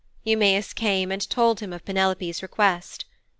Eumæus came and told him of Penelope's request.